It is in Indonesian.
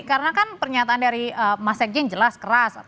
karena kan pernyataan dari mas sekjen jelas keras